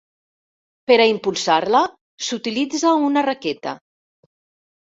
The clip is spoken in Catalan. Per a impulsar-la s'utilitza una raqueta.